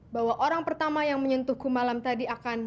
bahwa orang pertama yang menyentuhku malam tadi akan